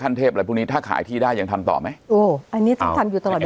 เทพอะไรพวกนี้ถ้าขายที่ได้ยังทำต่อไหมโอ้อันนี้ต้องทำอยู่ตลอดเวลา